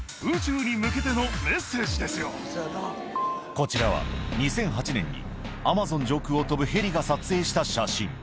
こちらは２００８年にアマゾン上空を飛ぶヘリが撮影した写真